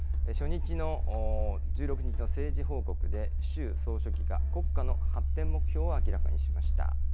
初日の１６日の政治報告で習総書記が国家の発展目標を明らかにしました。